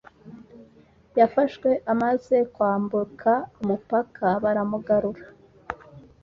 Yafashwe amaze kwambuka umupaka baramugarura